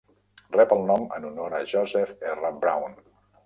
Rep el nom en honor a Joseph R. Brown.